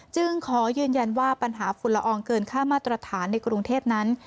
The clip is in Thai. จึงขอยืนยันว่าปัญหาฝุ่นละอองเกินค่ามาตรฐานในกรุงเทพนั้น